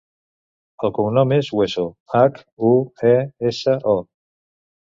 El cognom és Hueso: hac, u, e, essa, o.